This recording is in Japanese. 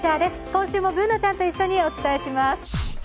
今週もＢｏｏｎａちゃんと一緒にお伝えします。